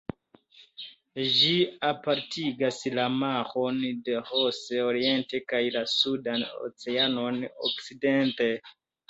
Ĝi apartigas la maron de Ross oriente kaj la Sudan Oceanon okcidente.